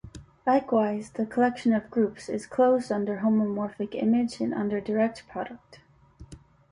Likewise, the collection of groups is closed under homomorphic image and under direct product.